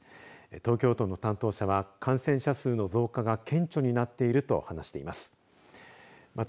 東京都の担当者は感染者数の増加が顕著になっていると話しています。